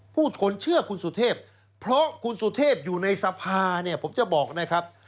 ทนเชื่อคุณสุเทพเพราะคุณสุเทพอยู่ในสภาเนี่ยผมจะบอกนะครับ